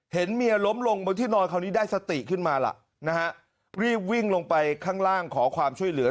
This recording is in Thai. เห็นเมียล้มลงบนที่นอนคราวนี้ได้สติขึ้นมาล่ะนะฮะรีบวิ่งลงไปข้างล่างขอความช่วยเหลือ